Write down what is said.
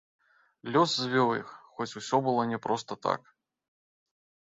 Лёс звёў іх, хоць усё было не проста так.